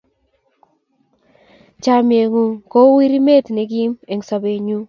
Chomye ng'ung' kou irimet ne kim eng' sobenyu.